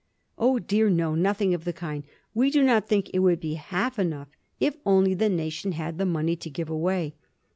Oh dear, no ; nothing of the kind ; we do not think it would be half enough if only the nation had the money to give away.